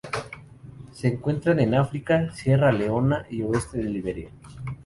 Se encuentran en África: Sierra Leona y oeste de Liberia.